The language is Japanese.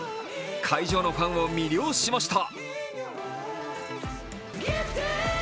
会場のファンを魅了しました。